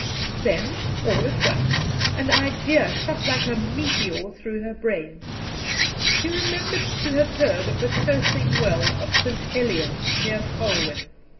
Then, all at once, an idea shot like a meteor through her brain. She remembered to have heard of the Cursing Well of St. Elian, near Colwyn.